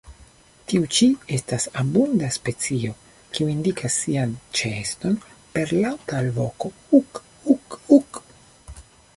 Tiu ĉi estas abunda specio, kiu indikas sian ĉeeston per laŭta alvoko "uk-uk-uk".